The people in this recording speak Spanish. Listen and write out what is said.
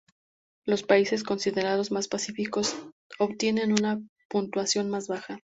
Los países considerados más pacíficos obtienen una puntuación más baja.